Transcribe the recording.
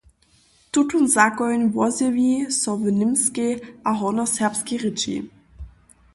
Tutón zakoń wozjewi so w němskej a hornjoserbskej rěči.